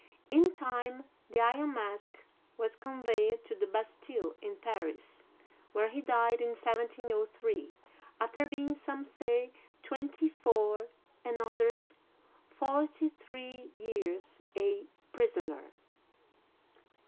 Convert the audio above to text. In time the Iron Mask was conveyed to the Bastille in Paris, where he died in 1703, after being, some say twenty four, and others forty three, years a prisoner.